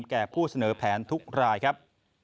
แก่ผู้เสนอแผนทุกรายครับ